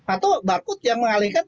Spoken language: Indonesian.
atau barcode yang mengalihkan